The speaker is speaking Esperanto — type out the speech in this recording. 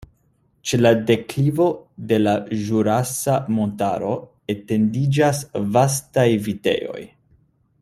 Ĉe la deklivo de la Ĵurasa Montaro etendiĝas vastaj vitejoj.